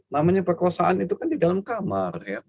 namanya perkosaan itu kan di dalam kamar ya